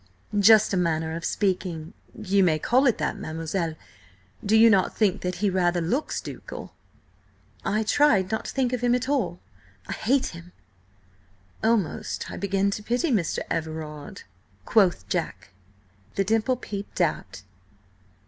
"Just a manner of speaking. ... You may call it that, mademoiselle. Do you not think that he looks rather ducal?" "I tried not to think of him at all. I hate him!" "Almost I begin to pity this Mr. Everard," quoth Jack. The dimple peeped out.